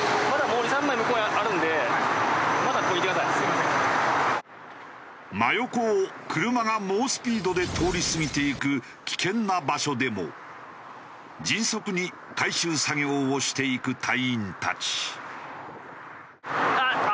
まずは真横を車が猛スピードで通り過ぎていく危険な場所でも迅速に回収作業をしていく隊員たち。